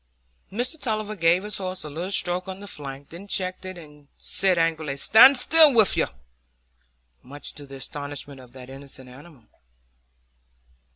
Mr Tulliver gave his horse a little stroke on the flank, then checked it, and said angrily, "Stand still with you!" much to the astonishment of that innocent animal.